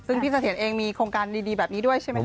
ซึ่งพี่เสถียรเองมีโครงการดีแบบนี้ด้วยใช่ไหมค